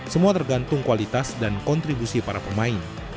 semua tergantung kualitas dan kontribusi para pemain